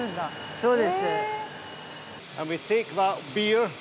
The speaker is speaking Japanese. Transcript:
そうです。